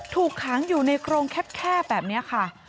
ถูกขังอยู่ในกรงแคบแบบนี้ค่ะ